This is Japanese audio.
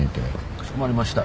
かしこまりました。